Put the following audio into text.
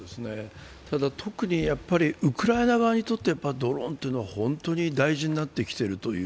ただ特にウクライナ側にとってドローンというのは本当に大事になってきているという。